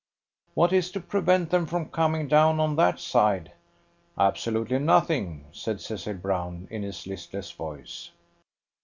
"What is to prevent them from coming down on that side?" "Absolutely nothing," said Cecil Brown, in his listless voice.